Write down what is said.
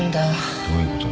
どういうことなの？